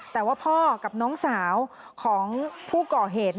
แต่ว่าพ่อกับน้องสาวของผู้ก่อเหตุ